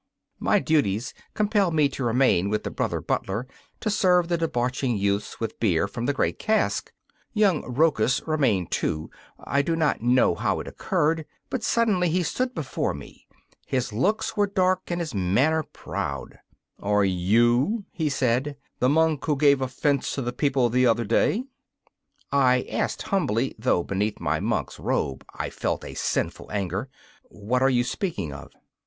My duties compelled me to remain with the brother butler to serve the debauching youths with beer from the great cask. Young Rochus remained too. I do not know how it occurred, but suddenly he stood before me. His looks were dark and his manner proud. 'Are you,' he said, 'the monk who gave offence to the people the other day?' I asked humbly though beneath my monk's robe I felt a sinful anger: 'What are you speaking of?